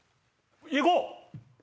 行こう！